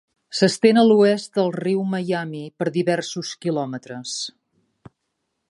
S'estén a l'oest del riu Miami per diversos quilòmetres.